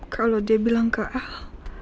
kalau dia bilang ke ahok